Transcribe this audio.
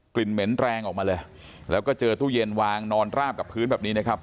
เหม็นแรงออกมาเลยแล้วก็เจอตู้เย็นวางนอนราบกับพื้นแบบนี้นะครับ